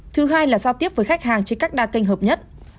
thứ hai là giao tiếp với khách hàng trên các đa kênh hợp nhất